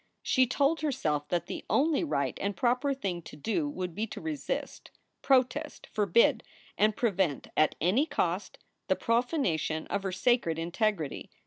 She told herself that the only right and proper thing to do would be to resist, protest, forbid, and prevent at any cost the profanation of her sacred integrity.